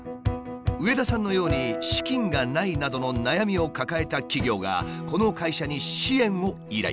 上田さんのように資金がないなどの悩みを抱えた企業がこの会社に支援を依頼。